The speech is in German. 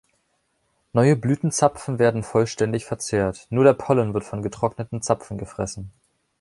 Neue Blütenzapfen werden vollständig verzehrt; nur der Pollen wird von getrockneten Zapfen gefressen.